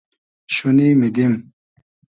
شونی میدیم